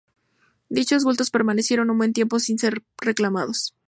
Dichos bultos permanecieron un buen tiempo sin ser reclamados.